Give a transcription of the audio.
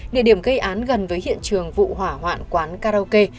địa điểm gây án gần với hiện trường vụ hỏa hoạn quán karaoke